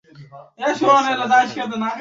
ব্যস, চালাতে থাক।